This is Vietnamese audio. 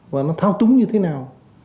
và nó thao túng như thế nào